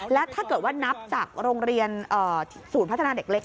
และถ้าเกิดว่านับจากโรงเรียนศูนย์พัฒนาเด็กเล็ก